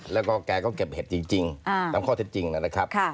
แล้วก็แกก็เก็บเห็ดจริงตามข้อเท็จจริงนะครับ